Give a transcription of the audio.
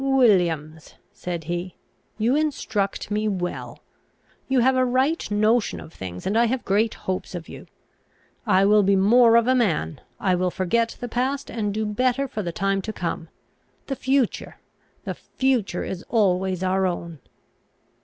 "Williams," said he, "you instruct me well. You have a right notion of things, and I have great hopes of you. I will be more of a man; I will forget the past, and do better for the time to come. The future, the future is always our own."